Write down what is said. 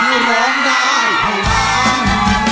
คือร้องได้ให้ร้าง